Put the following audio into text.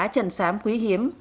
trần sám quý hiếm